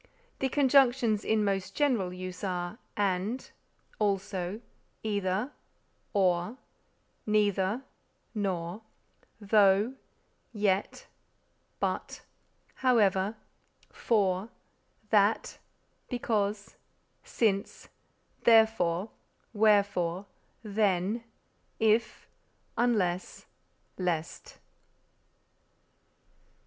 The conjunctions in most general use are _and, also; either, or; neither, nor; though, yet; but, however; for, that; because, since; therefore, wherefore, then; if, unless, lest_.